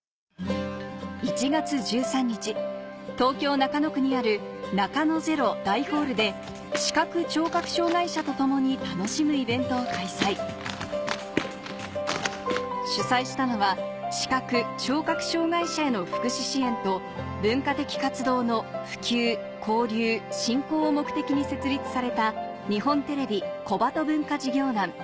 １月１３日東京・中野区にあるで視覚・聴覚障がい者と共に楽しむイベントを開催主催したのは視覚・聴覚障がい者への福祉支援と文化的活動の普及交流親交を目的に設立された日本テレビ小鳩文化事業団